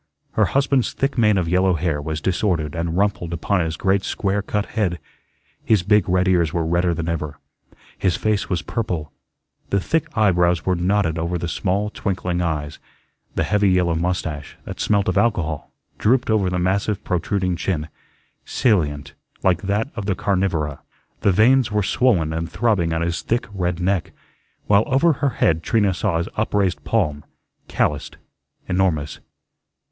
Her husband's thick mane of yellow hair was disordered and rumpled upon his great square cut head; his big red ears were redder than ever; his face was purple; the thick eyebrows were knotted over the small, twinkling eyes; the heavy yellow mustache, that smelt of alcohol, drooped over the massive, protruding chin, salient, like that of the carnivora; the veins were swollen and throbbing on his thick red neck; while over her head Trina saw his upraised palm, callused, enormous.